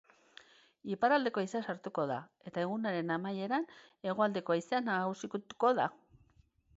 Iparraldeko haizea sartuko da, eta egunaren amaieran hegoaldeko haizea nagusituko da.